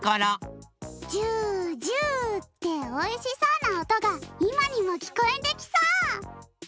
ジュジュっておいしそうなおとがいまにもきこえてきそう！